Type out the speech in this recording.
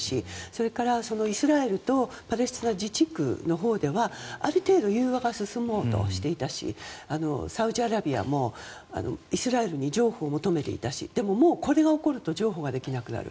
それから、イスラエルとパレスチナ自治区のほうではある程度、融和が進もうとしていたしサウジアラビアもイスラエルに譲歩を求めていたしでも、もうこれが起こると譲歩はできなくなる。